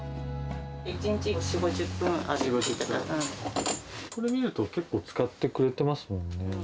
１日４、これ見ると結構、使ってくれてますもんね。